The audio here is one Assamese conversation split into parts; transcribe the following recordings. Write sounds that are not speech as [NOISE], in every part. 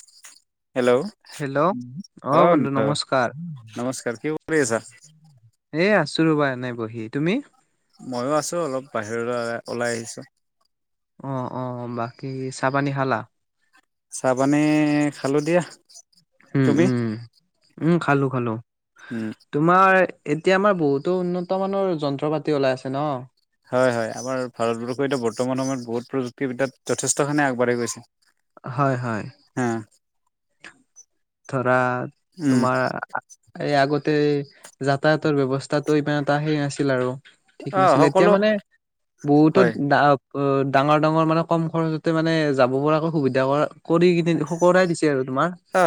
[INAUDIBLE] হেলৌ, হেল্ল' অ বন্ধু [UNINTELLIGIBLE] নমস্কাৰ নমস্কাৰ, কি কৰি আছা? এ আছো ৰ'বা এনে বহি, তুমি? মইও আছো অলপ বাহিৰলৈ ওলাই আহিছো। অ, অ বাকী চাহ পানী খালা? চাহ পানী খালো দিয়া। উম, তুমি উম, উম খালো খালো। উম তোমাৰ এতিয়া আমাৰ বহুতো উন্নত মানৰ যন্ত্ৰ-পাতি ওলাই আছে ন? হয়, হয়, আমাৰ ভাৰতবৰ্ষ এতিয়া বৰ্তমান সময়ত বহুত প্ৰযুক্তি বিদ্যাত যথেষ্টখিনি আগবাঢ়ি গৈছে। হয় হয়। [INAUDIBLE] ধৰা উম তোমাৰ এই আগতে যাতায়াতৰ ব্যৱস্থাটো ইমান এটা সেই নাছিল আৰু ঠিক অ নাছিলে, এতিয়া সকলো মানে বহুতো হয় ডা অ, ডাঙৰ-ডাঙৰ মানে কম খৰচতে মানে যাব পৰাকৈ সুবিধা কৰা কৰি কিনে সকৰাই দিছে আৰু তোমাৰ। অ,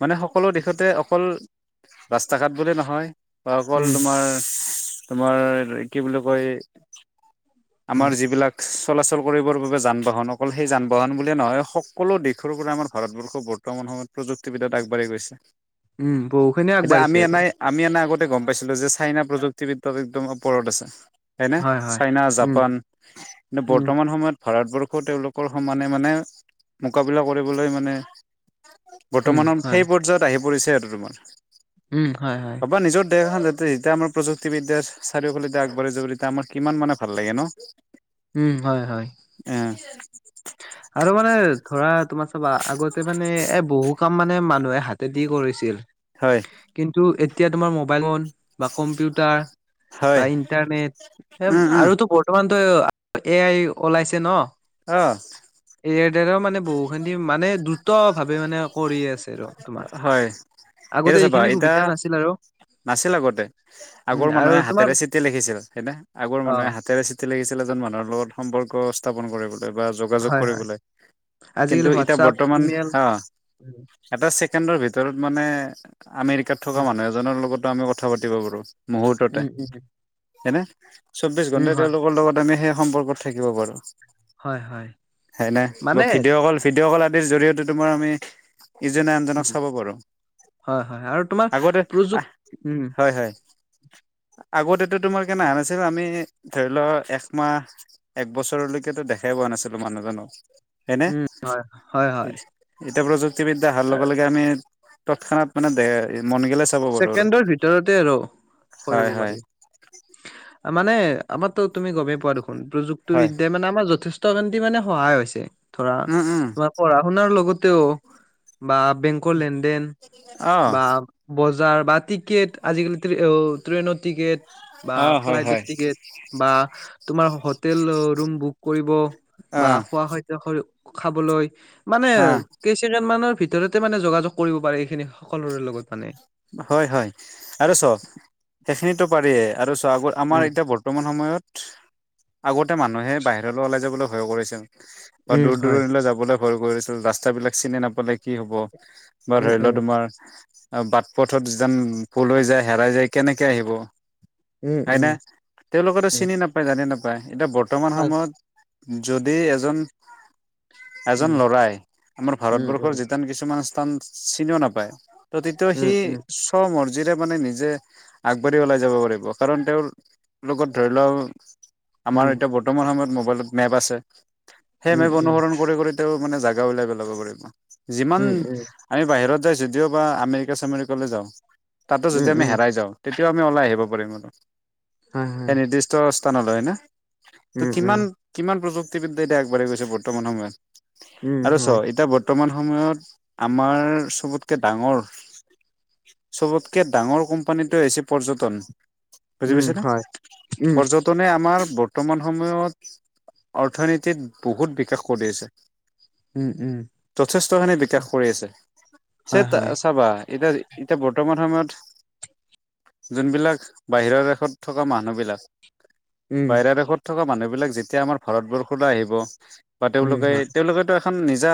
মানে সকলো দিশতে অকল ৰাস্তা-ঘাট বুলি নহয় বা অকল উম তোমাৰ, তোমাৰ কি বুলি কয় উম আমাৰ যিবিলাক চলাচল কৰিবৰ বাবে যান-বাহন অকল সেই যান-বাহন বুলিয়ে নহয় সকলো দিশ শৰো পৰা আমাৰ ভাৰতবৰ্ষ বৰ্তমান সময়ত প্ৰযুক্তি বিদ্যাত আগবাঢ়ি গৈছে। উম বহুখিনি এতিয়া আগবাঢ়িছে আমি আৰু এনাই আমি এনাই আগতে গম পাইছিলো যে চাইনা প্ৰযুক্তি বিদ্যাত একদম ওপৰত আছে। এইনে হয় হয় চাইনা, উম জাপান নু উম বৰ্তমান সময়ত ভাৰতবৰ্ষ তেওঁলোকৰ সমানে মানে কাবিলা কৰিবলৈ মানে উম বৰ্তমানন হয় সেই পৰ্যায়ত আহি পৰিছে আৰু তোমাৰ। উম হয় হয় [UNINTELLIGIBLE] নিজৰ [UNINTELLIGIBLE] তেহিতা আমাৰ প্ৰযুক্তি বিদ্যা চাৰিওফালেদি আগবাঢ়ি যাব তিতা আমাৰ কিমান মানে ভাল লাগে ন? উম, হয় হয়। [INAUDIBLE] আৰু মানে ধৰা তোমাৰ চাবা আগতে মানে এ বহু কাম মানে মানুহে হা- তেদি কৰিছিল, হয় কিন্তু এতিয়া তোমাৰ মোবাইল ৱন বা কম্পিউটাৰ হয় বা ইণ্টাৰনেট এ উম উম আৰুতো বৰ্তমানতো এ আই ওলাইছে ন'? অ এ আইৰ দ্বাৰাও মানে বহুখিনি মানে দ্ৰুত ভাৱে মানে কৰি আছে আৰু তোমাৰ। হয় এতিয়া আগতে চাবা এইখিনি এতিয়া সুবিধা নাছিল আৰু। নাছিল আগতে। উম আগৰ আৰু মানুহে তোমাৰ হাতেৰে চিঠি লিখিছিল হয়নে? আগৰ অ মানুহে হাতেৰে চি- ঠি লিখিছিল এজন মানুহৰ লগত সম্পৰ্ক স্থাপন কৰিবলৈ বা যোগাযোগ হয় হয় কৰিবলৈ। কিন্তু আজিকালি এতিয়া হোৱাটছআপ বৰ্তমান, ইমেইল হা উম এটা ছেকেণ্ডৰ ভিতৰত মানে আমেৰিকাত থকা উম মানুহ এজনৰ লগতো আমি কথা পাতিব পাৰো। মুহূৰ্ততে, উম উম হয়নে? চৌবিশ উম ঘন্টাই হয় তেওঁলোকৰ লগত আমি সেই সম্পৰ্কত থাকিব পাৰো। হয় হয় হয়নে? মানে ভিডিঅ' কল, ভিডিঅ' কল আদিৰ জৰিয়তে তোমাৰ আমি ইজনে আনজনক উম, চাব পাৰোঁ। হয় হয় আৰু তোমাৰ প্ৰযুক, উম আগতে তোমাৰ কেনে আহা নাছিল। আমি ধৰি ল একমাহ এক বছৰলৈকেতো দেখাই পোৱা নাছিলো মানুহজনক। হনে? উম হয় হয় এতিয়া প্ৰযুক্তিবিদ্যা অহাৰ আৰ লগে-লগে আমি তৎক্ষণাত মানে দে, মন গেলে চাব পাৰো আৰু ছেকেণ্ডৰ ভিতৰতে আৰু কৰিব হয় হয় পাৰি। মানে আমাৰতো তুমি গমেই পোৱা দেখোন। হয় প্ৰযুক্তিবিদ্যাই মানে আমাৰ যথে- ষ্ট মান্তি মানে সহায় হৈছে ধৰা উম উম তোমাৰ পঢ়া শুনাৰ লগতেও বা বেংকৰ লেনদেন অ বা বজাৰ বা টিকেট আজিকালি ট্ৰে, অ, ট্ৰেইনৰ টিকেট বা অ হয় ফ্লাইটৰ হয় টিকেট। বা তোমাৰ হোটেলৰ ৰুম বুক কৰিব অ বা খোৱা হ- হ, খাবলৈ। মানে হা কেইচকেণ্ড মানৰ ভিতৰতে মানে যোগাযোগ কৰিব পাৰে এইখিনি সকলোৰে লগত মানে। হয় হয় আৰু চ' সেইখিনিতো পাৰিয়ে আৰু চোৱা আগৰ আমাৰ উম, এতিয়া বৰ্তমান সময়ত আগতে মানুহে বাহিৰলৈ ওলাই যাবলৈ ভয় কৰিছিল। বা উম, দূৰ হয়, দূৰণিলৈ যাবলৈ ভয় কৰিছিল। ৰাস্তাবিলাক চিনি নাপালে কি হব? বা উম, ধৰি লোৱা উম, তোমাৰ বাট পথতন যেন ভুল যায় হেৰাই যায় কেনেকে আহিব উম, হয়নে। উম, তেওঁলোকে তো উম। চিনি নাপায় জানি নাপায় এতিয়া বৰ্তমান হয়। সময়ত যদি এজন এজন উম, লৰাই আমাৰ উম, ভাৰতবৰ্ষৰ উম, য কিছুমান স্থান চিনিও নাপায় ত তেতিয়া সি উম, উম, তেওঁৰ মৰ্জিৰে মানে নিজে আগবাঢ়ি ওলাই যাব পাৰিব কাৰণ তেওঁৰ লগত ধৰি লওক আমাৰ উম, এতিয়া বৰ্তমান সময়ত মোবাইলত মেপ আছে। সেই উম, মেপ উম, অনুসৰণ কৰি কৰি তেওঁ মানে জাগা উওঁলাই পেলাব পাৰিব যিমান উম, উম, আমি বাহিৰত যাই যদিওবা আমেৰিকা চেমেৰিকালৈ যাওঁ তাতো উম, যদি আমি উম, হেৰাই যাওঁ তেতিয়াও আমি ওলাই আহিব পাৰিম কিন্তু হয়, সেই হয়, নিৰ্দিষ্ট স্থানলৈ না ত উম, উম, কিমান কিমান প্ৰযুক্তিবিদ্যাত এতিয়া আগবাঢ়ি গৈছে বৰ্তমান উম, সময়ত। আৰু হয়, চোৱা এতিয়া বৰ্তমান সময়ত আমাৰ চবতকে ডাঙৰ চবতকে ডাঙৰ কোম্পানীটোৱে হৈছে পৰ্যটন বুজি উম, পাইছে ন হয়, উম, পৰয টনে আমাৰ বৰ্তমান সময়ত অৰ্থনীতিত বহুত বিকাশ কৰি আছে। উম, উম, যথেষ্টখিনি বিকাশ কৰি আছে হয়, চেত হয়, চাবা এতিয়া এতিয়া বৰ্তমান সময়ত যোনবিলাক বাহিৰৰ দেশত থকা মানুহবিলাক উম। বাহিৰা দেশত থকা মানুহবিলাক যেতিয়া আমাৰ ভাৰতবৰ্ষলৈ আহিব বা উম তেওঁলোকে হয় তেওঁলোকেতো এখন নিজা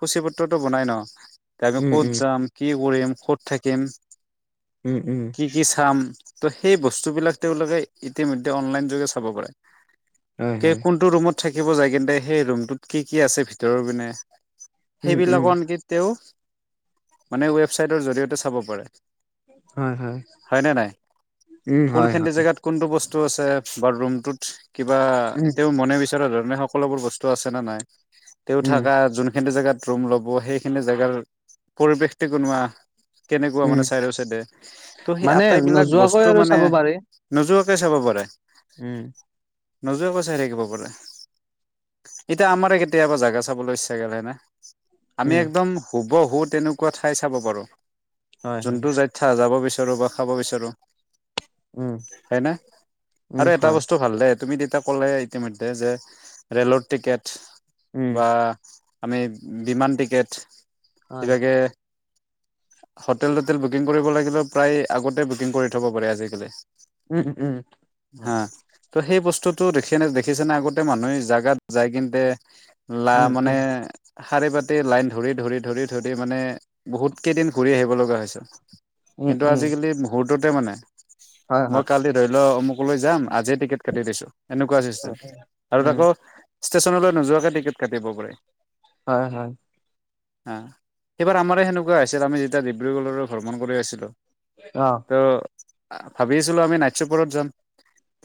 সূচীপত্ৰ ত বনাই ন যে আমি উম কত উম যাম পঢ়িম ক'ত থাকিম? উম কি কি চাম? ত' সেই বস্তুবিলাক তেওঁলোকে ইতিমধ্যে অনলাইনযোগে চাব পাৰে। হয় হয় কোনটো ৰুমত থাকিব যায় কিনে, সেই ৰুমটোত কি কি আছে ভিতৰৰ পিনে? উম উম সেইবিলাকো আনকি তেওঁ মানে ৱেবচাইটৰ জৰিয়তে চাব পাৰে। হয় নে নাই? উম হয় কোনখিনি হয় জেগাত কোনটো বস্তু আছে বা ৰুমটোত কিবা উম তেওঁ মনে বিচৰা ধৰণে হওঁক সকলোবোৰ বস্তু আছে নে নাই তেওঁ উম থকা যোনখিনি জেগাত ৰুম ল'ব সেইখিনি জেগাৰ পৰিৱেশটো কেনেকুৱা? কেনেকুৱা উম মানে চাইডে চাইডে? ত' সেই মানে আটাইবিলাক নোযোৱাকৈ বস্তু আৰু মানে চাব পাৰি নোযোৱাকে চাব পাৰে। উম নোযোৱাকৈ চাই থাকিব পাৰে। এতিয়া আমাৰে কেতিয়াবা জাগা চাবলৈ ইচ্ছা [UNINTELLIGIBLE] উম একদম হুবহু তেনেকুৱা ঠাই চাব পাৰো, হয় হয় যোনটো জা যাব বিচাৰোঁ বা খাব বিচাৰোঁ। উম হয় নে উম আৰু এটা হয় বস্তু ভাল দে। তেতিয়া ক'লে ইতিমধ্যে যে ৰে'লৰ টিকেট উম বা বিমান টিকেট হয় এইভাগে হোটেল তোটেল বুকিং কৰিব লাগিলে প্ৰায় আগতে বুকিং কৰি থব পাৰে আজিকালি। উম উম উম হয় হা ত' সেই বস্তুটো দেখিনে দেখিছেনে আগতে মানুহে জাগাত যায় কিন্তে লা উম মানে উম শাৰী পাতি লাইন ধৰি ধৰি ধৰি ধৰি মানে বহুত কেইদিন ঘূৰি আহিব লগা হৈছে উম কিন্তু উম আজিকালি মুহুৰ্ততে মানে হয় মই হয় কালি ধৰি লওঁ অমুকলৈ যাম আজিয়ে টিকেট কাটি দিছো। এনেকুৱা উম চিষ্টেম আৰু উম তাকো ষ্টেচনলৈ নোযোৱাকে টিকট কাটিব পাৰি। হয় সেইবাৰ আমাৰো সেনেকুৱা আছিল আমি যেতিয়া ডিব্ৰুগড়লৈ ভৰ্মন কৰি আছিলোঁ। অ' ত' ভাবি আছিলোঁ আমি নাইট চুপাৰত যাম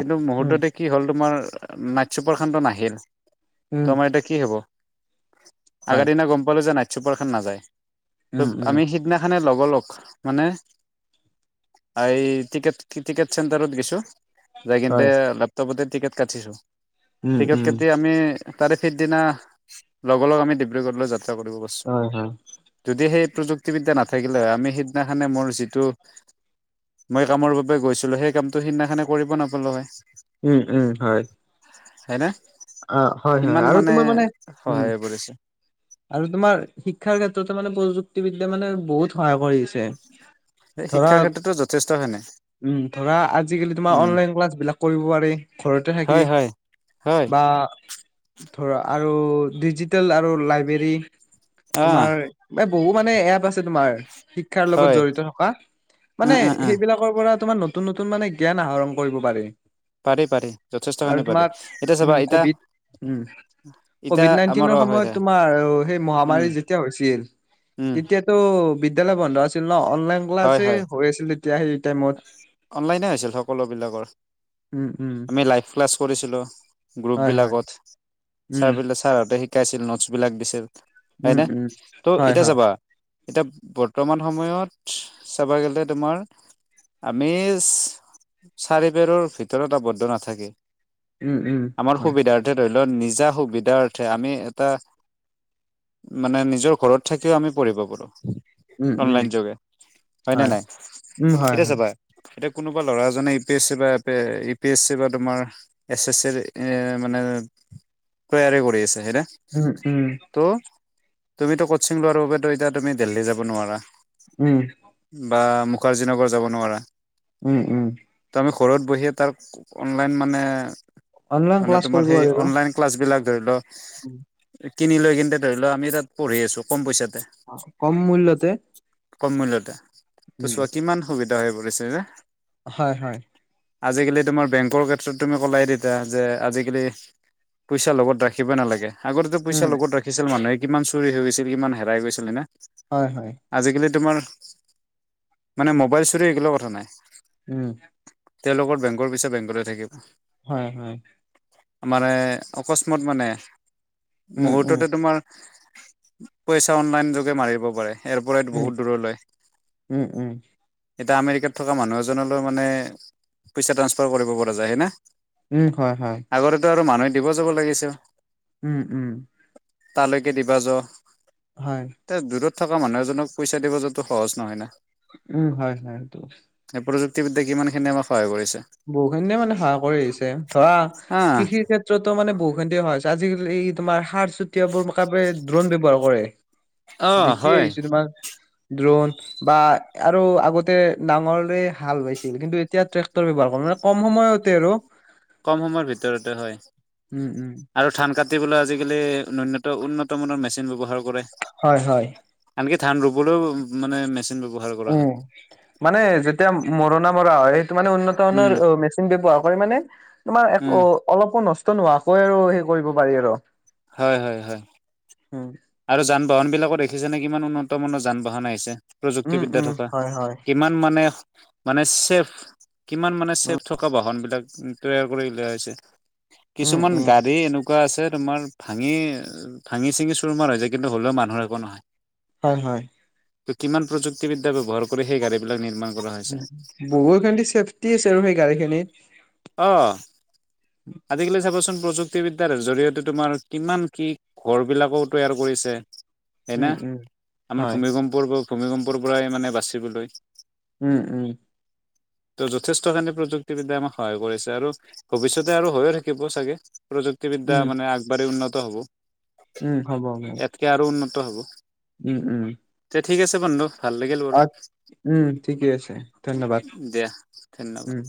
কিন্তু উম মুহূৰ্ততে কি হ'ল তোমাৰ নাইট চুপাৰখনটো নাহিল উম ত' আমাৰ এতিয়া কি হ'ব? হয় আগৰ দিনা গম পালো যে নাইট চুপাৰখান নাযায়। উম উম আমি সিদিনাখনে লগ লগ মানে এই টিকেট টিকেট চেণ্টাৰত গৈছোঁ। যাই কিন্তে হয় লেপটপতে টিকেট কাটিছো। উম টিকেট উম কাটি আমি তাৰে সিদিনা লগ লগ আমি ডিব্ৰুগড়লৈ যাত্ৰা কৰিব গৈ হা যদি সেই প্ৰযুক্তিবিদ্যা নাথাকিলে হয়, আমি সিদিনাখনে মোৰ যিটো মই কামৰ বাবে গৈছিলো, সেই কামটো সিদিনাখনে কৰিব নাপালো হয়। উম হয়। হয় নে? অ' হয় হয় আৰু তোমাৰ মানে উম সহায় কৰিছে আৰু তোমাৰ শিক্ষাৰ ক্ষেত্ৰতো মানে প্ৰযুক্তিবিদ্যা মানে বহুত সহায় কৰি আছে। শিক্ষাৰ ক্ষেত্ৰতো যথেষ্ট হয়নে ধৰা আজিকালি তোমাৰ উম অনলাইন ক্লাছ বিলাক কৰিব পাৰি ঘৰতে হয় থাকি হয় হয় বা ধৰা আৰু ডিজিটেল আৰু লাইব্ৰেৰী। অ তোমাৰ বহু মানে এপ আছে তোমাৰ। শিক্ষাৰ লগত হয় জড়িত থকা উম মানে উম উম সেইবিলাকৰ পৰা তোমাৰ ন। নতুন নতুন মানে জ্ঞান আহৰণ কৰিব পাৰি। পাৰি পাৰি যথেষ্ট‌ আৰু খিনি পাৰি। তোমাক এতিয়া চাবা উম এতিয়া কভিড উম। এতিয়া কভিড আমাৰ নাইনটিনৰ অ হয় দে সময়ত তোমাৰ সেই উম মহামাৰী যেতিয়া হৈছিল উম তেতিয়া। ত' বিদ্যালয় বন্ধ আছিল ন অনলাইন হয় ক্লাছে হয় হৈ আছিল এতিয়া সেইটো টাইমত। অনলাইনে হৈছিল সকলো বিলাকৰ উম উম আমি লাইফ। ক্লাছ কৰিছিলোঁ গ্ৰুপ হয় হয় বিলাকত চা। উম ছাৰ হতে শিকাইছিল নোটছ বিলাক দিছিল উম হয় নে উম ত' হয় এতিয়া হয় চাবা। এতিয়া বৰ্তমান সময়ত চাব গ'লে তোমাৰ। আমি চাৰি বেৰৰ ভিতৰত আৱদ্ধ নাথাকে। উম উম আমাৰ হয় সুবিধাৰ্থে ধৰি লও নিজা সুবিধাৰ অৰ্থে আমি এটা। মানে নিজৰ ঘৰত থাকিও আমি পঢ়িব পাৰো উম উম অনলাইন যোগে হয়নে হয় নাই। উম হয় এতিয়া হয় চাবা এতিয়া কোনোবা ল'ৰা এজনে এ, পি, এছ, চি, বা ইউ, পি, এছ, চি বা তোমাৰ। এছ এছ চিৰ এ মানে তৈয়াৰ কৰি আছে হয় না। উম উম। ত' তুমিটো কোচিং লোৱাৰ বাবেতো এতিয়া তুমি দেলহী যাব নোৱাৰা। উম। বা মুখাৰ্জী নগৰ যাব নোৱাৰা। উম উম। ত আমি ঘৰত বহিয়ে তাৰ অনলাইন মানে অনলাইন মানে ক্লাছ কৰিব তোমাৰ সেই পাৰিব অনলাইন। ক্লাছবিলাক ধৰি ল। উম। কিনি লৈ কিন্তু ধৰি লও আমি তাত পঢ়ি আছোঁ কম পইচাতে। কম মূল্যতে। কম মূল্যতে ত' উম চোৱা কিমান সুবিধা হৈ পৰিছে যে। হয় হয়। আজিকালি তোমাৰ বেংকৰ ক্ষেত্ৰত তুমি ক'লাই তেতিয়া যে আজিকালি। পইচা লগত ৰাখিবই নালাগে। আগতেটো উম পইচা লগত ৰাখিছিল মানুহে কিমান চুৰি হৈ গৈছিল কিমান হেৰাই গৈছিল হয় না। হয় হয়। আজিকালি তোমাৰ মানে মোবাইল চুৰি এইগিলা কথা নাই। উম। তেওঁলোকৰ বেংকৰ পইছা বেংকতে থাকিব। হয়, হয়। মানে অকস্মাত মানে উম উম মুহূৰ্ততে তোমাৰ। পইচা অনলাইন যোগে মাৰিব পাৰে ইয়াৰ পৰাই উম বহুত দূৰলৈ। উম, উম। এতিয়া আমেৰিকাত থকা মানুহ এজনলৈ মানে পইচা ট্ৰান্সফাৰ কৰিব পৰা যায় হেনে। উম, হয়, হয়। আগতেই টো আৰু মানুহে দিব যাব লাগিছে। উম, উম। তালৈকে দিবা য। হয়। তে দূৰত থকা মানুহ এজনক পইচা দিব যোৱাটো সহজ নহয় না। উম, হয়, হয়, সেইটো। এই প্ৰযুক্তিবিদ্যাই কিমান খিনি আমাক সহায় কৰিছে। বহুখিনিয়ে মানে সহায় কৰি আহিছে ধৰা আহ কৃষিৰ ক্ষেত্ৰত টো মানে বহুখিনি [UNINTELLIGIBLE] আজিকালি তোমাৰ সাৰ চ চতিয়াবৰ কাৰনে ড্ৰন ব্যৱহাৰ কৰে। অ' দেখি হয় আহিছোঁ তোমাৰ ড্ৰোন বা আৰু আগতে নাঙলৰে হাল বাইছিল কিন্তু এতিয়া ট্ৰেক টৰ ব্যৱহাৰ কৰে মানে ক'ম সময়তে আৰু। ক'ম সময়ৰ ভিতৰতে উম হয়। উম আৰু ধান কাটিবলৈ আজিকালি উন্নত-উন্নত মানৰ মেচিন ব্যৱহাৰ কৰে। হয়, হয়। আনকি ধান ৰুবলৈও মানে মেচিন ব্যৱহাৰ কৰা উম হয়। মানে যেতিয়া মৰণা মৰা হয়, সেইটো মানে উন্নত উম মানৰ মেচিন ব্যৱহাৰ মানে তোমাৰ উম অলপো নষ্ট নোহোৱাকৈ আৰু সেই কৰিব পাৰি আৰু। হয়, হয়, হয়। উম। আৰু যান বাহন বিলাকো দেখিছেনে কিমান উন্নত মানৰ যান বাহন আহিছে? উম প্ৰযুক্তিবিদ্যা উম থকা, হয় হয়। কিমান মানে মানে চেফ কিমান মানে চেফ থকা বাহন বিলাক তৈয়াৰ কৰি উলিওৱা হৈছে, উম কিছুমান উম। গাড়ী এনেক এনেকুৱা আছে তোমাৰ ভাঙি ভাঙি-চিঙি চুৰমাৰ হৈ যায়, কিন্তু হ'লেও মানুহৰ একো নহয়। হয়, হয়। ত' কিমান প্ৰযুক্তিবি্যা্য়হ কৰি সেই গাড়ী বিলাক নিৰ্মাণ কৰা হৈছে বহু [UNINTELLIGIBLE] চেফটি আছে আৰু সেই গাড়ীখিনিত। অ'। আজিকালি চাবচোন প্ৰযুক্তিবিদ্যাৰ জৰিয়তে তোমাৰ কিমান কি ঘৰ বিলাকো তৈয়াৰ কৰিছে হয় উম না, উম আমাৰ হয়। ভূমিম্পৰ্কৰ ভূমিকম্পৰ পৰাই মানে বাচিবলৈ। উম, উম। ত' যথেষ্টখিনি প্ৰযুক্তিবিদ্যায় আমাক সহায় কৰিছে আৰু ভৱিষ্যতে আৰু হৈও থাকিব চাগে প্ৰযুক্তিবিদ্যা উম মানে আগবাঢ়ি উন্নত হ'ব। উম, হ'ব। ইয়াতকে আৰু উন্নত হ'ব উম উম তে ঠিক আছে বন্ধু। ভাল লাগিল অ বাৰু উম ঠিকে আছে ধন্যবাদ। দিয়া উম ধন্যবাদ।